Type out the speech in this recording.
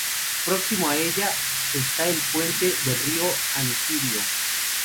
Próximo a ella está el puente de Río-Antírio.